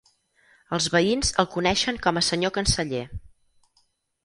Els veïns el coneixen com a Senyor Canceller.